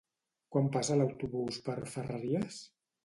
Quan passa l'autobús per Ferreries?